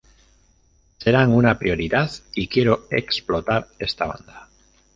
Serán una prioridad, y quiero explotar esta banda".